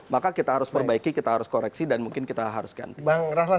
maka kita harus perbaiki kita harus koreksi dan mungkin kita harus ganti